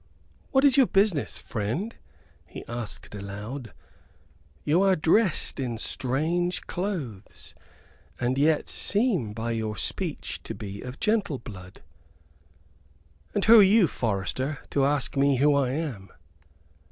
"What is your business, friend?" he asked, aloud; "you are dressed in strange clothes and yet seem by your speech to be of gentle blood." "And who are you, forester, to ask me who I am?"